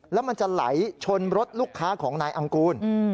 แล้วมันจะไหลชนรถลูกค้าของนายอังกูล